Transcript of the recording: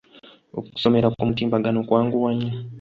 Okusomera ku mutimbagano kwanguwa nnyo.